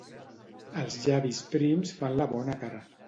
Els llavis prims fan la bona cara.